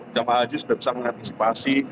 jemaah haji sudah bisa mengantisipasi